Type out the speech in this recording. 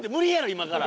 今から。